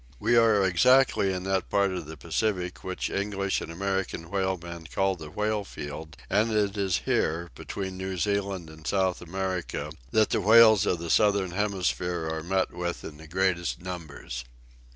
"We are exactly in that part of the Pacific which English and American whalemen call the whale field, and it is here, between New Zealand and South America, that the whales of the Southern Hemisphere are met with in the greatest numbers."